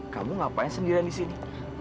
kamu ngapain sendirian di sini